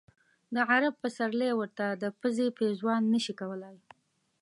د عرب پسرلی ورته د پزې پېزوان نه شي کولای.